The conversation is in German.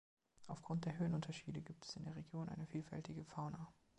Aufgrund der Höhenunterschiede gibt es in der Region eine vielfältige Fauna.